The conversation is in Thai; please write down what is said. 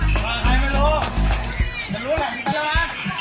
ก็ใครไม่รู้ฉันรู้แหละนี่เป็นแล้วล่ะ